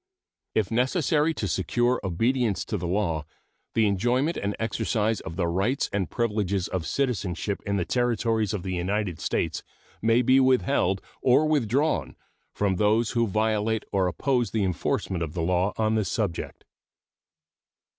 If necessary to secure obedience to the law, the enjoyment and exercise of the rights and privileges of citizenship in the Territories of the United States may be withheld or withdrawn from those who violate or oppose the enforcement of the law on this subject.